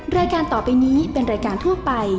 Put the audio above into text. รายการต่อไปนี้เป็นรายการทั่วไป